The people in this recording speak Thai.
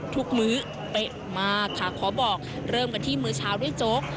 มื้อเป๊ะมากค่ะขอบอกเริ่มกันที่มือเช้าด้วยโจ๊ก